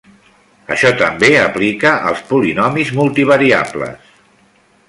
Això també aplica als polinomis multivariables.